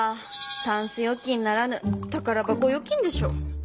タンス預金ならぬ宝箱預金でしょう。